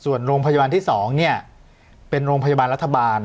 ส่วนโรงพยาบาลที่๒เป็นโรงพยาบาลรัฐบาล